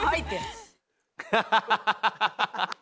ハハハハッ！